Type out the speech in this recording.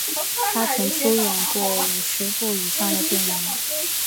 他曾出演过五十部以上的电影。